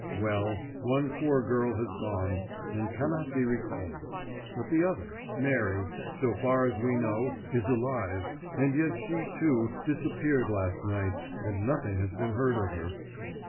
Well, one poor girl has gone, and cannot be recalled; but the other, Mary, so far as we know, is alive; and yet she, too, disappeared last night, and nothing has been heard of her.